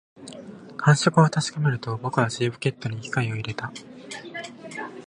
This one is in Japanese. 感触を確かめると、僕は尻ポケットに機械を入れた